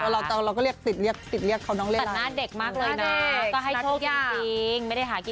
เราก็เรียกสิทธิ์